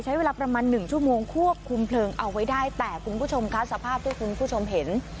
ใช้เวลาประมาณหนึ่งชั่วโมงควบคุมเพลิงเอาไว้ได้แต่คุณผู้ชมคะสภาพที่คุณผู้ชมเห็น